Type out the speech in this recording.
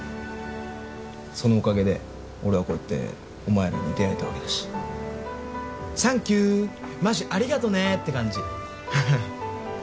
そのおかげで俺はこうやってお前らに出会えたわけだしサンキューマジありがとねって感じ